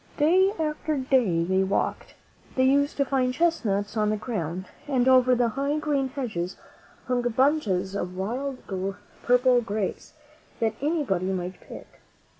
Day after day they walked. They used to find chestnuts on the ground, and over the high, green hedges hung bunches of wild purple grapes that any body might pick.